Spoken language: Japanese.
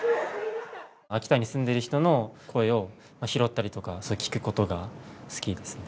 秋田に住んでる人の声を拾ったりとか聴くことが好きですね。